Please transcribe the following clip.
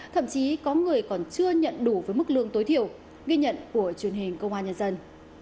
thậm chí có người còn chưa nhận đủ với mức lương tối thiểu ghi nhận của truyền hình công an nhân dân